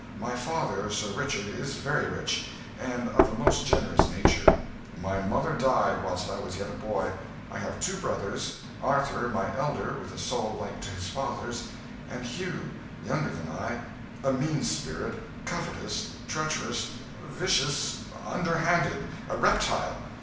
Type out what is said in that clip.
My father, Sir Richard, is very rich, and of a most generous nature. My mother died whilst I was yet a boy. I have two brothers: Arthur, my elder, with a soul like to his father's; and Hugh, younger than I, a mean spirit, covetous, treacherous, vicious, underhanded a reptile.